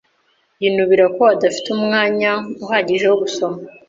Yinubira ko adafite umwanya uhagije wo gusoma.